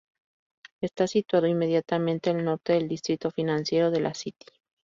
Está situado inmediatamente al norte del distrito financiero de la City.